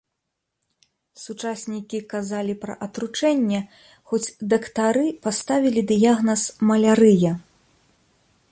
Сучаснікі казалі пра атручэнне, хоць дактары паставілі дыягназ малярыя.